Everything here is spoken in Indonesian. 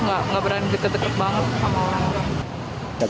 nggak berani deket deket banget sama orang orang